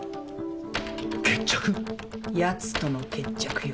ヤツとの決着よ。